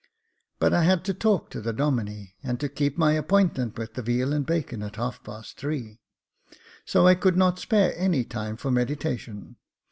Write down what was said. But I had to talk to the Domine, and to keep my appointment with the veal and bacon at half past three, so I could not spare any time for meditation.